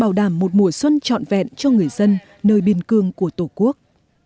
làm một mùa xuân trọn vẹn cho người dân nơi biên cương của tổ quốc